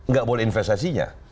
gak boleh investasinya